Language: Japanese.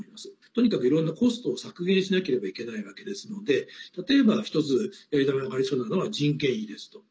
とにかくいろんなコストを削減しなければいけないわけですので例えば、１つ値段が上がりそうなのは人件費ですと。